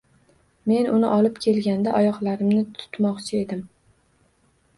Men uni olib kelganga oyoqlarimni tutmoqchi edim